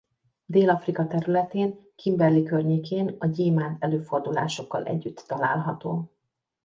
Dél-Afrika területén Kimberley környékén a gyémánt-előfordulásokkal együtt található.